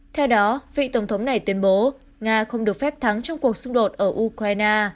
theo đó vị tổng thống này tuyên bố nga không được phép thắng trong cuộc xung đột ở ukraine